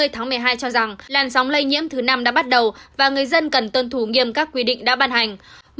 tháng một mươi hai cho rằng làn sóng lây nhiễm thứ năm đã bắt đầu và người dân cần tân thủ nghiêm các quy định đã bàn hành